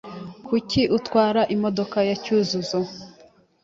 Kuki utwara imodoka ya Cyuzuzo?